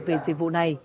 về dịch vụ này